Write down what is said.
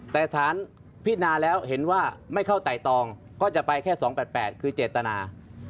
แต่ฐานพินาแล้วเห็นว่าไม่เข้าไต่ตองก็จะไปแค่๒๘๘คือเจตนา